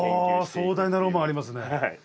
あ壮大なロマンありますね。